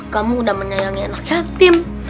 kamu udah menyayangi anak yatim